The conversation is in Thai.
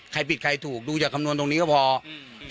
ใครผิดใครถูกดูจากคำนวณตรงนี้ก็พออืม